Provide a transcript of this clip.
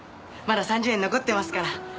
まだ３０円残ってますから。